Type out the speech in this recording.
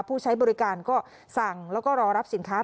ผู้ใช้บริการก็สั่งแล้วก็รอรับสินค้า